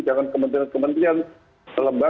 jangan kementerian kementerian lembaga